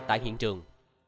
tại hiện trường